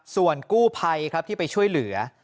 ส่วนกู้ภัยครับที่ไปช่วยเหลือ